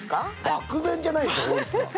漠然じゃないでしょう